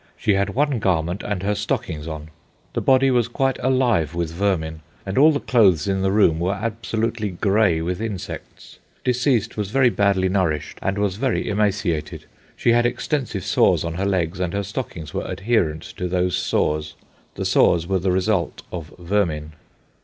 She had one garment and her stockings on. The body was quite alive with vermin, and all the clothes in the room were absolutely grey with insects. Deceased was very badly nourished and was very emaciated. She had extensive sores on her legs, and her stockings were adherent to those sores. The sores were the result of vermin."